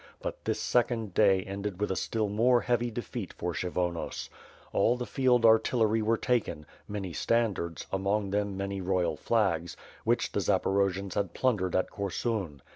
But this second day ended with a still more heavy defeat for Kshyvonos. All the field artillery were taken, many standards, among them many royal flags, which the Zaporojians had plundered at Korsun.